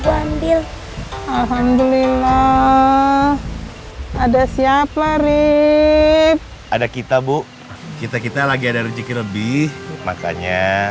ambil alhamdulillah ada siapa rip ada kita bu kita kita lagi ada rezeki lebih makanya